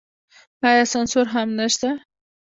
آیا سانسور هم نشته؟